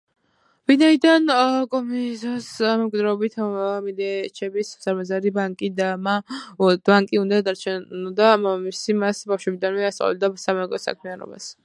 ვინაიდან კოზიმოს მემკვიდრეობით მედიჩების უზარმაზარი ბანკი უნდა დარჩენოდა, მამამისი მას ბავშვობიდანვე ასწავლიდა საბანკო საქმიანობას.